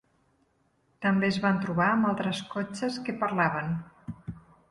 També es van trobar amb altres cotxes que parlaven.